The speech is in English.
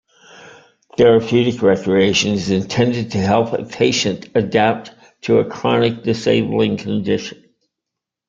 Therapeutic recreation is intended to help a patient adapt to a chronic disabling condition.